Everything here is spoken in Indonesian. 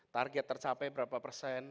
target tercapai berapa persen